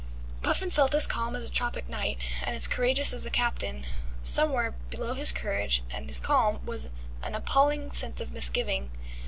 Puffin felt as calm as a tropic night, and as courageous as a captain. Somewhere below his courage and his calm was an appalling sense of misgiving.